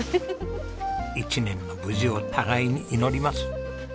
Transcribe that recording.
一年の無事を互いに祈ります。